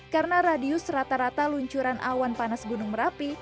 karena radius rata rata luncuran awan panas gunung merapi